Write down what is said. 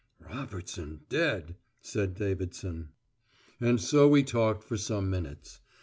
"Robertson dead?" said Davidson. And so we talked for some minutes.